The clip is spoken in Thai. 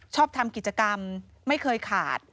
ชอบทำกิจกรรมไม่เคยขาด